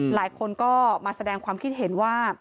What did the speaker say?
หลายคนก็มาแสดงความคิดเห็นว่า